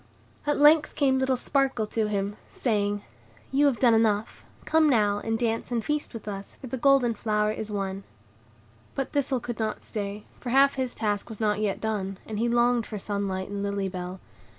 At length came little Sparkle to him, saying, "You have done enough; come now, and dance and feast with us, for the golden flower is won." But Thistle could not stay, for half his task was not yet done; and he longed for sunlight and Lily Bell.